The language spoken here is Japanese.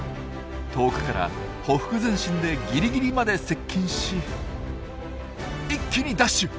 遠くからほふく前進でギリギリまで接近し一気にダッシュ！